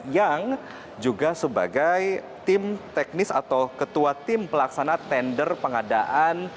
yang juga sebagai tim teknis atau ketua tim pelaksana tender pengadaan